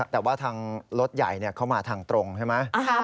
แต่ว่าทางรถใหญ่เข้ามาทางตรงใช่ไหม